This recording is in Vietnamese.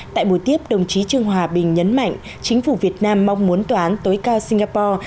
tại buổi tiếp đồng chí trương hòa bình nhấn mạnh chính phủ việt nam mong muốn tòa án tối cao singapore